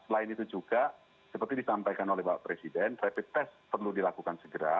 selain itu juga seperti disampaikan oleh pak presiden rapid test perlu dilakukan segera